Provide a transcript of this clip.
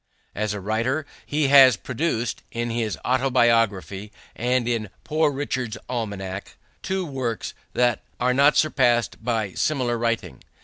As a writer, he has produced, in his Autobiography and in Poor Richard's Almanac, two works that are not surpassed by similar writing.